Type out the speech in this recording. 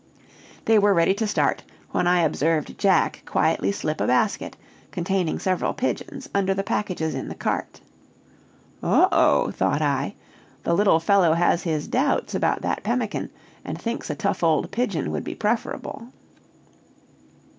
They were ready to start, when I observed Jack quietly slip a basket, containing several pigeons, under the packages in the cart. "Oh, oh!" thought I, "the little fellow has his doubts about that pemmican, and thinks a tough old pigeon would be preferable."